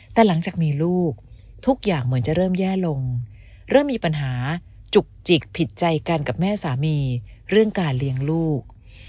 แต่หลังจากมีลูกทุกอย่างเหมือนจะเริ่มแย่ลงเริ่มมีปัญหาจุกจิกผิดใจกันกับแม่สามีเรื่องการเลี้ยงลูก